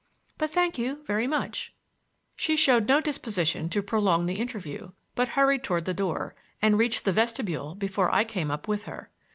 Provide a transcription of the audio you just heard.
But thank you, very much." She showed no disposition to prolong the interview, but hurried toward the door, and reached the vestibule before I came up with her.